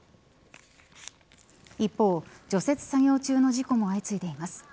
一方、除雪作業中の事故も相次いでいます。